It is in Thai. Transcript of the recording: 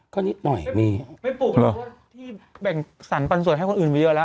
ก็นิดหน่อยมีไม่ปลูกเหรอที่แบ่งสรรปันส่วนให้คนอื่นมาเยอะแล้ว